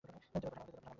জেলে পাঠান আমাকে।